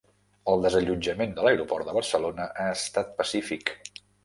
El desallotjament de l'aeroport de Barcelona ha estat pacífic